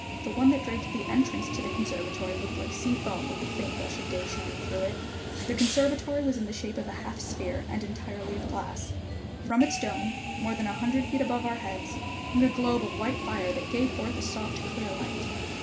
The one that draped the entrance to the conservatory looked like sea foam with the faint blush of day shining through it. The conservatory was in the shape of a half sphere, and entirely of glass. From its dome, more than a hundred feet above our heads, hung a globe of white fire that gave forth a soft clear light.